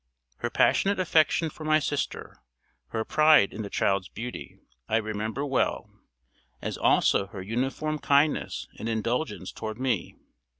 Her passionate affection for my sister, her pride in the child's beauty, I remember well, as also her uniform kindness and indulgence toward me.